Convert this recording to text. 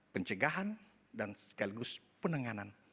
pencegahan dan sekaligus penanganan